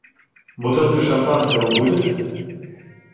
Бутылка шампанского будет?